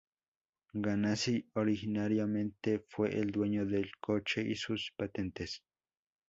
Ganassi originariamente fue el dueño del coche y sus patentes.